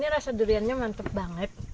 ini rasa duriannya mantap banget